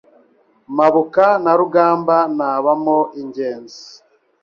Mpabuka nta rugamba ntabamo ingenzi